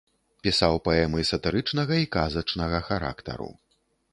Пісаў паэмы сатырычнага і казачнага характару.